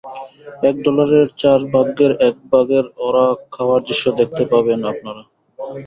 এক ডলারের চার ভাগ্যের এক ভাগেই ওর খাওয়ার দৃশ্য দেখতে পাবেন আপনারা।